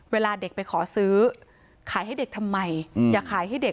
เวลาเด็กไปขอซื้อขายให้เด็กทำไมอย่าขายให้เด็ก